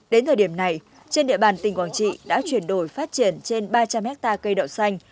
đến thời điểm này trên địa bàn tỉnh quảng trị đã chuyển đổi phát triển trên ba trăm linh hectare cây đậu xanh